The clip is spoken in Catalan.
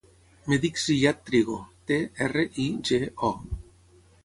Em dic Ziyad Trigo: te, erra, i, ge, o.